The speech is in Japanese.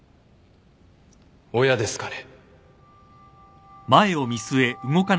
親ですかね。